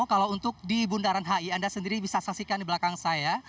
kalau untuk di bundaran hi anda sendiri bisa saksikan di belakang saya